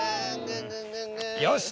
よし！